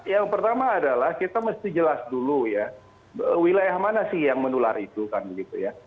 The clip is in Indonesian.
yang pertama adalah kita mesti jelas dulu ya wilayah mana sih yang menular itu kan gitu ya